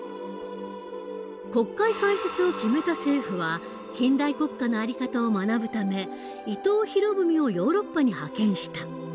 国会開設を決めた政府は近代国家の在り方を学ぶため伊藤博文をヨーロッパに派遣した。